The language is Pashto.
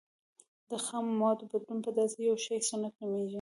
د خامو موادو بدلون په داسې یو شي صنعت نومیږي.